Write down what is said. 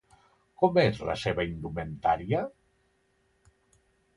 Com és la seva indumentària?